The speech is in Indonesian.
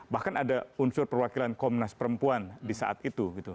bahkan ada unsur perwakilan komnas perempuan di saat itu